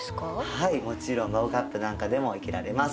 はいもちろんマグカップなんかでも生けられます。